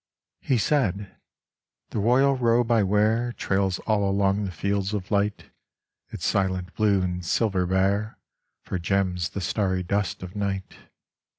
He said, * The royal robe I wear Trails all along the fields of light : Its silent blue and silver bear For gems the starry dust of night.